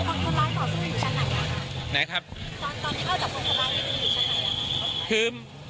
คืออาคารเนี่ยมันเป็นสองชั้นอยู่แล้วนะครับ